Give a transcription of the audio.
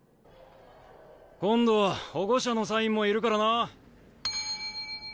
今度は保護者のサインもいるからな。